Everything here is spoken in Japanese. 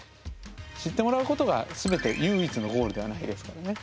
知ってもらうことが全て唯一のゴールではないですからね。